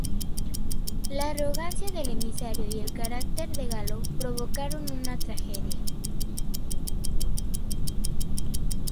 La arrogancia del emisario y el carácter de Galo provocaron una tragedia.